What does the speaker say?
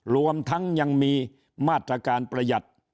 รวมทั้งยังมีมาตรการประหยัด